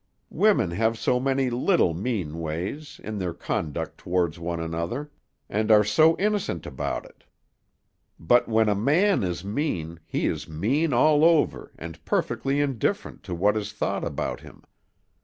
Women have so many little mean ways, in their conduct toward one another, and are so innocent about it; but when a man is mean, he is mean all over, and perfectly indifferent to what is thought about him.